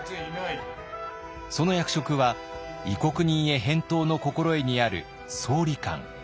その役職は「異国人江返答之心得」にある「総理官」。